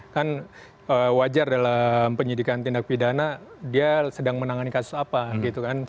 kan wajar dalam penyidikan tindak pidana dia sedang menangani kasus apa gitu kan